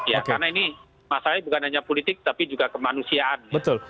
ya karena ini masalahnya bukan hanya politik tapi juga kemanusiaan